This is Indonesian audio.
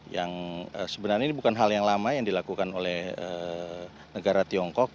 yang sebenarnya ini bukan hal yang lama yang dilakukan oleh negara tiongkok